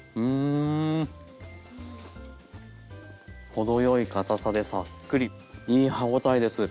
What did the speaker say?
程よいかたさでサックリいい歯応えです。